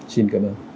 xin cảm ơn